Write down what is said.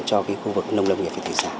do cái khu vực nông lông nghiệp và thủy sản